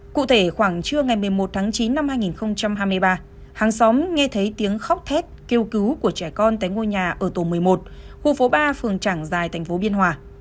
cụ thể khoảng trưa ngày một mươi một tháng chín năm hai nghìn hai mươi ba hàng xóm nghe thấy tiếng khóc thét kêu cứu của trẻ con tại ngôi nhà ở tổ một mươi một khu phố ba phường trảng giài thành phố biên hòa